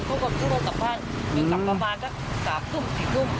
เขาก็กดทุกคนกลับบ้านยังกลับประมาณสัก๓ทุ่ม๔ทุ่ม